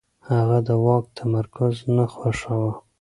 هغه د واک تمرکز نه خوښاوه.